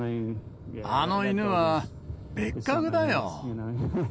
あの犬は別格だよ。